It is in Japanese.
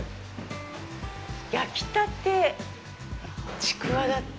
焼きたてちくわだって。